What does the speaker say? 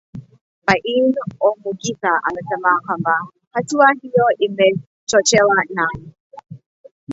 Bain Omugisa amesema kwamba hatua hiyo imechochewa na